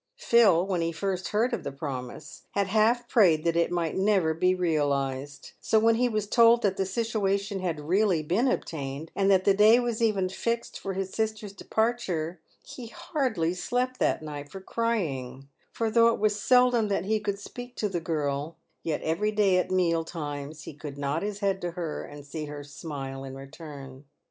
Phil, when he first heard of the promise, had half prayed that it might never be realised ; so when he was told that the situation had really been obtained, and that the day was even fixed for his sister's depar ture, he hardly slept that night for crying ; for though it was seldom that he could speak to the girl, yet ever} r day at meal times he could nod his head to her and see her smile in return.